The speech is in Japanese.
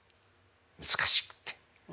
難しくて。